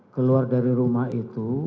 keluar dari rumah itu